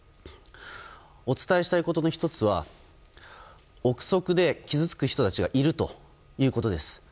お伝えしたいことの１つは憶測で、傷つく人たちがいるということです。